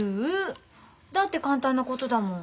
だって簡単なことだもん。